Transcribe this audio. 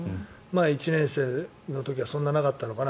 １年生の時はそんなになかったのかな。